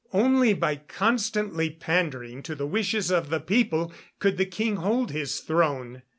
Only by constantly pandering to the wishes of the people could the king hold his throne.